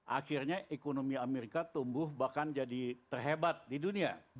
akhirnya ekonomi amerika tumbuh bahkan jadi terhebat di dunia